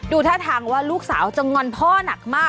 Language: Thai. ท่าทางว่าลูกสาวจะงอนพ่อหนักมาก